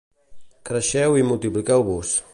Creixeu i multipliqueu-vos.